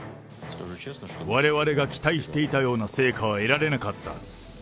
われわれが期待していたような成果は得られなかった。